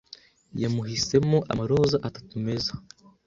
Yamuhisemo amaroza atatu meza.